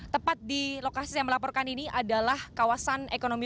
tepat di lokasi saya melaporkan ini adalah kawasan ekonomi